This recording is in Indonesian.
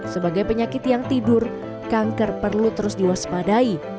sebagai penyakit yang tidur kanker perlu terus diwaspadai